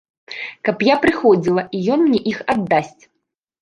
Каб я прыходзіла і ён мне іх аддасць.